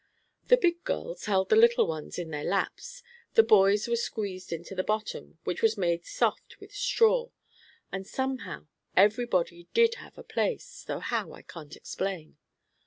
The big girls held the little ones in their laps, the boys were squeezed into the bottom, which was made soft with straw, and somehow every body did have a place, though how, I can't explain.